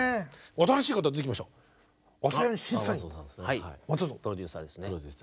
新しい方出てきました。